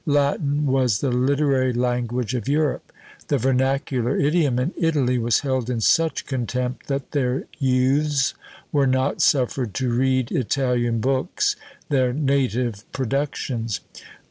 Latin was the literary language of Europe. The vernacular idiom in Italy was held in such contempt that their youths were not suffered to read Italian books, their native productions.